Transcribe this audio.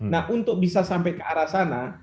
nah untuk bisa sampai ke arah sana